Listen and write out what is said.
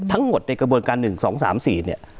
ทั้งหมดในกระบวนการ๑๒๓๔เนี่ย